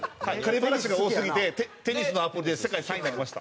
バラシが多すぎてテニスのアプリで世界３位になりました。